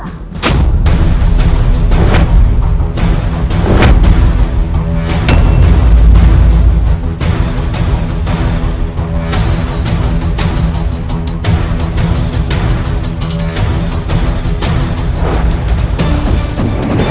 aku ingin menemukan kekuatanmu